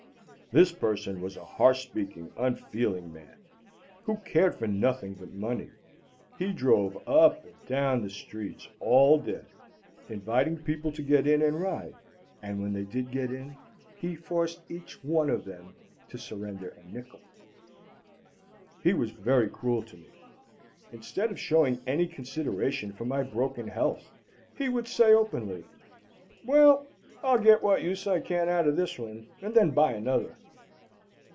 This person was a harsh speaking, unfeeling man, who cared for nothing but money. He drove up and down the streets all day, inviting people to get in and ride; and when they did get in, he forced each one of them to surrender a nickel. He was very cruel to me. Instead of showing any consideration for my broken health, he would say openly, "Well, I'll get what use I can out of this one, and then buy another."